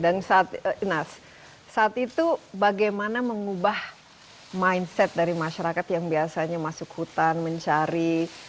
dan saat itu bagaimana mengubah mindset dari masyarakat yang biasanya masuk hutan mencari